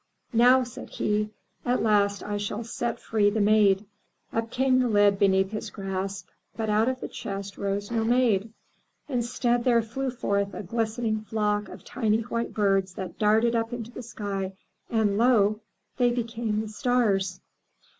"Now/' said he, "at last I shall set free the Maid." Up came the lid beneath his grasp, but out of the chest rose no Maid. Instead, there flew forth a glistening flock of tiny white birds that darted up into the sky and lo! they became the stars.